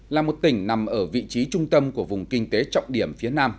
là một tỉnh nằm ở vị trí trung tâm của vùng kinh tế trọng điểm phía nam